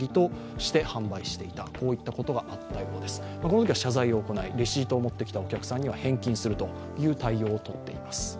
このときは謝罪を行い、レシートを持ってきたお客さんには返金するという対応をとっています。